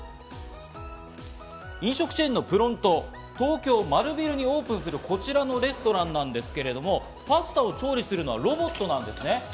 飲食チェーンのプロント、東京・丸ビルにオープンするこちらのレストランなんですけれども、パスタを調理するのはロボットです。